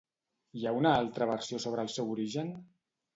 Hi ha una altra versió sobre el seu origen?